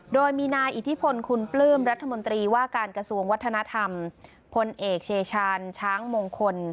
โดยมีนายอิทธิพลคุณปลื้มรัฐมนตรีว่าการกระทรวงวัฒนธรรมพลเอกเชชาญช้างมงคล